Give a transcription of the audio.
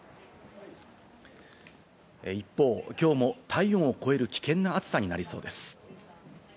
一方、きょうも体温を超える危険な暑さになりそうです。